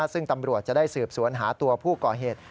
ซึ่งตำรวจจะได้สืบสวนหาตัวผู้ก่อเหตุ